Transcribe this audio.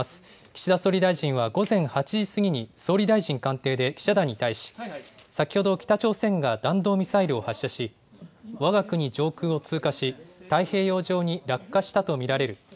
岸田総理大臣は午前８時過ぎに総理大臣官邸で記者団に対し先ほど北朝鮮が弾道ミサイルを発射し、わが国上空を通過し太平洋上に落下したと見られる。